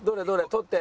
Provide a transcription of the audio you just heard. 取って。